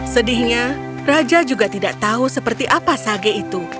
sedihnya raja juga tidak tahu seperti apa sage itu